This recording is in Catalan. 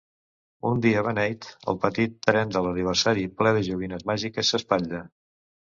Un dia beneit, el petit tren de l'aniversari ple de joguines màgiques s'espatlla.